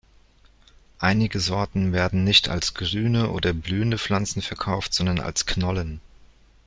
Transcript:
Einige Sorten werden nicht als grüne oder blühende Pflanzen verkauft, sondern als Knollen.